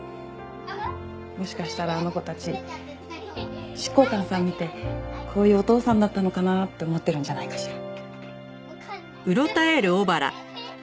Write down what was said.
もしかしたらあの子たち執行官さん見てこういうお父さんだったのかな？って思ってるんじゃないかしら。